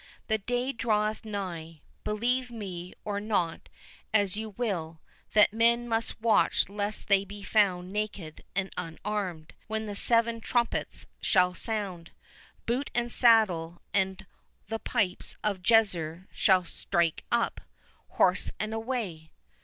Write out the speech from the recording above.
The day draweth nigh, believe me or not as you will, that men must watch lest they be found naked and unarmed, when the seven trumpets shall sound, Boot and saddle; and the pipes of Jezer shall strike up, Horse and away."